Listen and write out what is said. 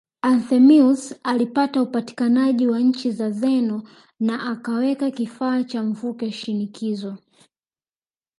Anthemius alipata upatikanaji wa chini ya Zeno na akaweka kifaa cha mvuke shinikizo